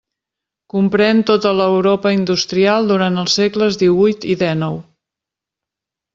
Comprén tota l'Europa industrial durant els segles díhuit i dènou.